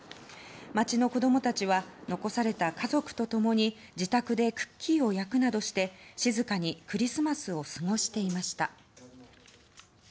街の子供たちは残された家族と共に自宅でクッキーを焼くなどして静かにクリスマスを過ごしていました。